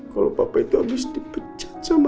kalau papa itu abis dipecat sama mama